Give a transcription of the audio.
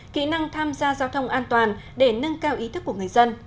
kỹ năng tham gia giao thông an toàn để nâng cao ý thức của người dân